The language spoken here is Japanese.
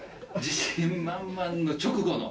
自信満々の直後の。